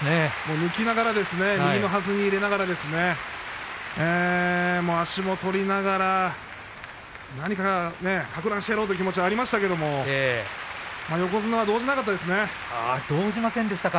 抜きながら右のはずに入れながら足も取りながら何か、かく乱してやろうという気持ちがありましたけれども横綱は動じなかったですね。